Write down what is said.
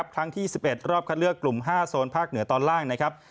ครั้งที่๑๑รอบคัดเลือกกลุ่ม๕โซนภาคเหนือตอนล่างนะครับ